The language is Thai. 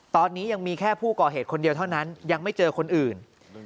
ตอนนี้ยังมีแค่ผู้ก่อเหตุคนเดียวเท่านั้นยังไม่เจอคนอื่น